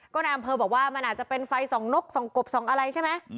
ก็นายอำเภอบอกว่ามันอาจจะเป็นไฟส่องนกส่องกบส่องอะไรใช่ไหม